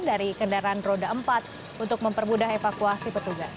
dari kendaraan roda empat untuk mempermudah evakuasi petugas